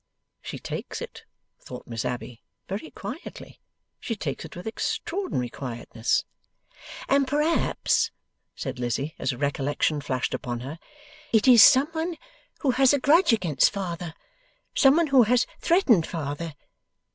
['She takes it,' thought Miss Abbey, 'very quietly. She takes it with extraordinary quietness!') 'And perhaps,' said Lizzie, as a recollection flashed upon her, 'it is some one who has a grudge against father; some one who has threatened father!